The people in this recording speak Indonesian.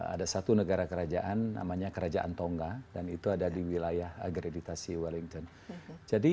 ada satu negara kerajaan namanya kerajaan tongga dan itu ada di wilayah agreditasi wellington jadi